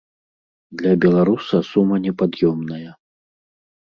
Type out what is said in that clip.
Для беларуса сума непад'ёмная.